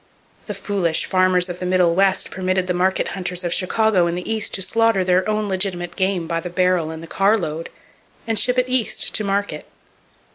The foolish farmers of the middle West permitted the market hunters of Chicago and the East to slaughter their own legitimate game by the barrel and the car load, and ship it "East," to market.